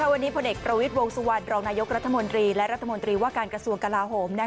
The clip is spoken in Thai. วันนี้พลเอกประวิทย์วงสุวรรณรองนายกรัฐมนตรีและรัฐมนตรีว่าการกระทรวงกลาโหม